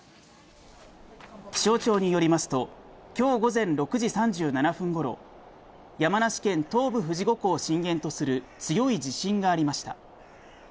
気象庁によりますと今日午前６時３７分頃、山梨県東部、富士五湖を震源とする強い地震がありました。